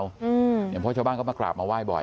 เพราะชาวบ้านก็มากราบมาไห้บ่อย